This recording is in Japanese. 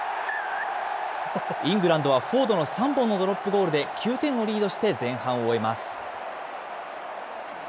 イングランドはフォードの３本のドロップゴールで９点をリードして前半を終えます。